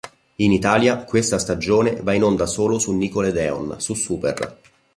In Italia questa stagione va in onda solo su Nickelodeon, su Super!